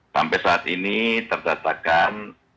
sampai saat ini terdatakan